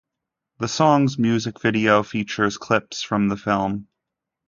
The song's music video features clips from the film.